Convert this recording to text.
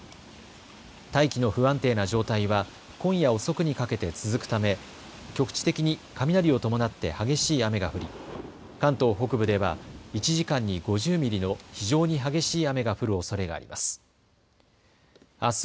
大気の不安定な状態は今夜遅くにかけて続くため局地的に雷を伴って激しい雨が降り、関東北部では１時間に５０ミリの非常に激しい雨が降るおそれがあります。